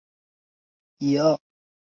埃尔布塔尔是德国黑森州的一个市镇。